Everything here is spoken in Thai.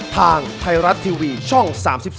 ทางไทยรัฐทีวีช่อง๓๒